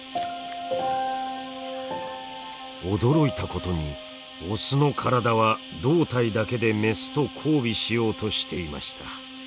驚いたことにオスの体は胴体だけでメスと交尾しようとしていました。